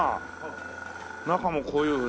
中もこういう。